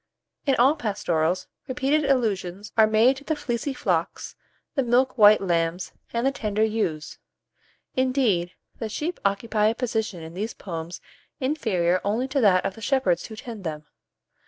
In all pastorals, repeated allusions are made to the "fleecy flocks," the "milk white lambs," and "the tender ewes;" indeed, the sheep occupy a position in these poems inferior only to that of the shepherds who tend them.